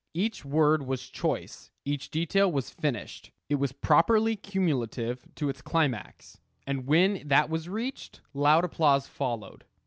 Each word was choice; each detail was finished; it was properly cumulative to its climax; and when that was reached, loud applause followed.